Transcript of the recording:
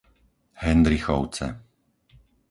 Hendrichovce